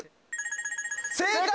正解！